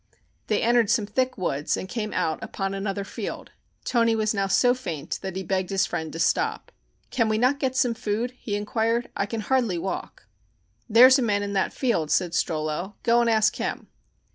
They entered some thick woods and came out upon another field. Toni was now so faint that he begged his friend to stop. "Can we not get some food?" he inquired; "I can hardly walk." "There is a man in that field," said Strollo. "Go and ask him."